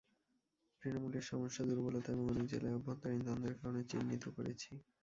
তৃণমূলের সমস্যা, দুর্বলতা এবং অনেক জেলায় অভ্যন্তরীণ দ্বন্দ্বের কারণ চিহ্নিত করেছি।